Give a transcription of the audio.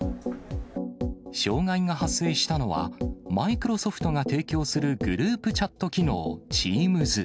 障害が発生したのは、マイクロソフトが提供するグループチャット機能、Ｔｅａｍｓ。